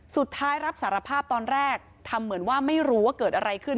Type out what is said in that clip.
สุดท้ายรับสารภาพตอนแรกทำเหมือนว่าไม่รู้ว่าเกิดอะไรขึ้น